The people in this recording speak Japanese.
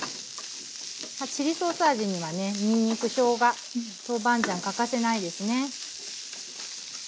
チリソース味にはねにんにくしょうが豆板醤欠かせないですね。